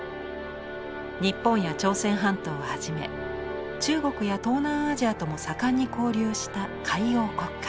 日本や朝鮮半島をはじめ中国や東南アジアとも盛んに交流した海洋国家。